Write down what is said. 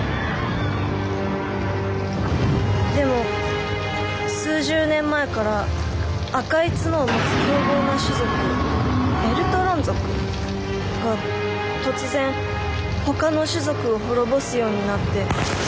「でも数十年前から赤い角を持つ凶暴な種族エルトロン族が突然他の種族を滅ぼすようになって」。